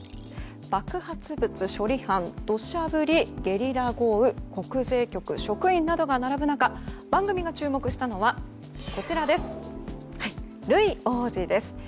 爆発物処理班、土砂降りゲリラ豪雨国税局職員などが並ぶ中番組が注目したのはルイ王子です。